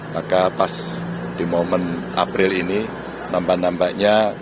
maka pas di momen april ini nambah nambahnya